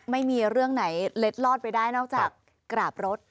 ไม่มีเรื่องไหนเล็ดลอดไปได้นอกจากกราบรถ